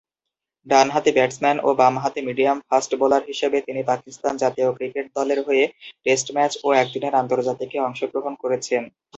ডানহাতি ব্যাটসম্যান ও বামহাতি মিডিয়াম-ফাস্ট বোলার হিসেবে তিনি পাকিস্তান জাতীয় ক্রিকেট দলের হয়ে টেস্ট ম্যাচ ও একদিনের আন্তর্জাতিকে অংশগ্রহণ করেছেন।